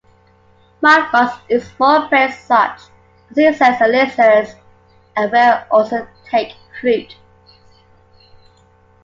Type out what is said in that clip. Motmots eat small prey such as insects and lizards, and will also take fruit.